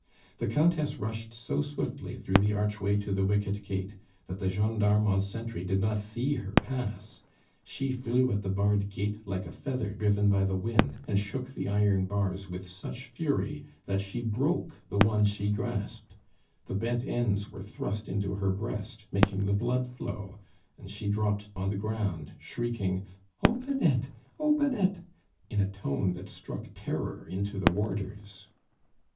The Countess rushed so swiftly through the archway to the wicket gate that the gendarme on sentry did not see her pass. She flew at the barred gate like a feather driven by the wind, and shook the iron bars with such fury that she broke the one she grasped. The bent ends were thrust into her breast, making the blood flow, and she dropped on the ground, shrieking, "Open it, open it!" in a tone that struck terror into the warders.